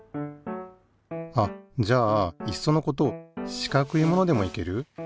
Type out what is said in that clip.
あっじゃあいっそのこと四角いものでもいける？